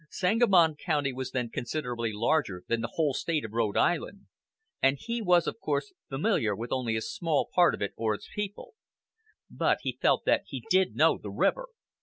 Sangamon County was then considerably larger than the whole State of Rhode Island, and he was of course familiar with only a small part of it or its people; but he felt that he did know the river.